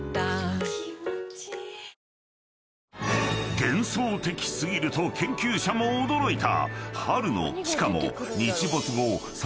［「幻想的過ぎる」と研究者も驚いた］